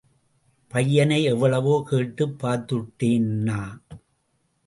பையனை எவ்வளவோ கேட்டுப் பார்த்துட்டேன்னா!...